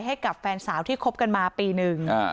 ให้กับแฟนสาวที่คบกันมาปีหนึ่ง